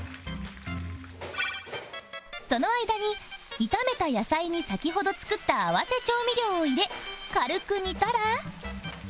その間に炒めた野菜に先ほど作った合わせ調味料を入れ軽く煮たら